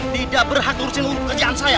tidak berhak ngurusin kerjaan saya